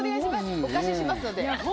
お貸ししますので。